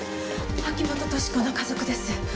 秋本敏子の家族です。